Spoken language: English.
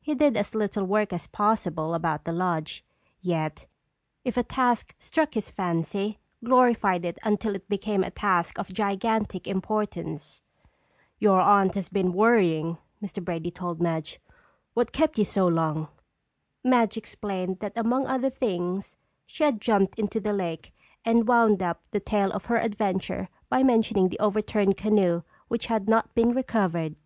He did as little work as possible about the lodge, yet if a task struck his fancy, glorified it until it became a task of gigantic importance. "Your Aunt has been worrying," Mr. Brady told Madge. "What kept you so long?" Madge explained that among other things she had jumped into the lake and wound up the tale of her adventure by mentioning the overturned canoe which had not been recovered.